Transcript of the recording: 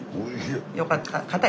よかった。